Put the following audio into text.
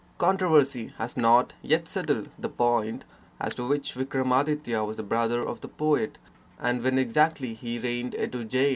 Controversy has not yet settled the point as to which Vikramaditya was the brother of the poet and when exactly he reigned at Ujjain.